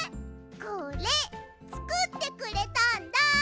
これつくってくれたんだ！